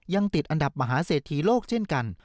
ยังติดอันดับมหาเศรษฐีโลกเช่นกัน